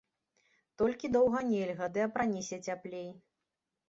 Толькі доўга нельга, ды апраніся цяплей.